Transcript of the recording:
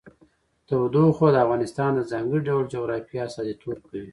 تودوخه د افغانستان د ځانګړي ډول جغرافیه استازیتوب کوي.